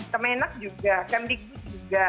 kemenak juga kmdi juga